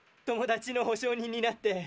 友達の保証人になって。